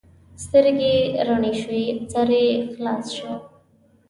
سترګې یې رڼې شوې؛ سر یې خلاص شو.